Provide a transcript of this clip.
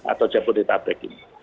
atau jabodetabek ini